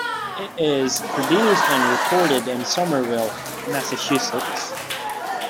It is produced and recorded in Somerville, Massachusetts.